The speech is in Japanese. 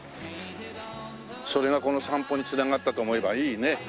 それがこの散歩に繋がったと思えばいいね。